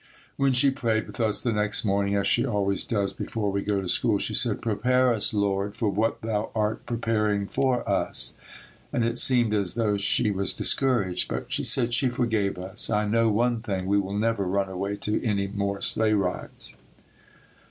When she prayed with us the next morning, as she always does before we go to school, she said, "Prepare us, Lord, for what thou art preparing for us," and it seemed as though she was discouraged, but she said she forgave us. I know one thing, we will never run away to any more sleigh rides.